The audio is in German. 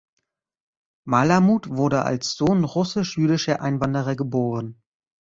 Malamud wurde als Sohn russisch-jüdischer Einwanderer geboren.